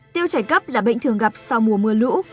tiêu chảy cấp là bệnh thường gặp sau mùa mưa lũ